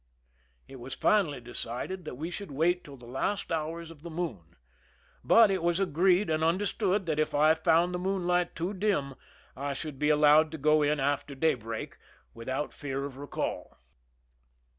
It was finally de cided that we should wait till the last hours of the moon; but it was agreed and understood that if I found the moonlight, too dim I should be allowed to go in after daybreak, without fear of recall.